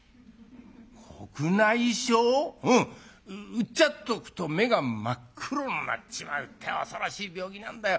うっちゃっとくと目が真っ黒になっちまうってえ恐ろしい病気なんだよ。